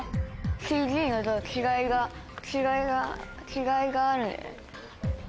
ＣＧのと違いが違いが違いがある。